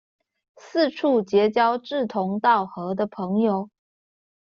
四處結交志同道合的朋友